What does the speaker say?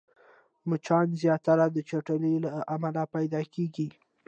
مچان زياتره د چټلۍ له امله پيدا کېږي